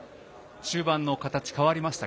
中盤の形が変わりましたが